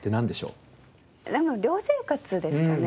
でも寮生活ですかね。